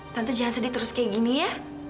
nanti jangan sedih terus kayak gini ya